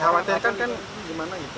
nah waktunya kan gimana gitu